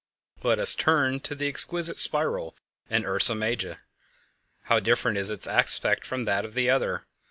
Let us turn to the exquisite spiral in Ursa Major; how different its aspect from that of the other!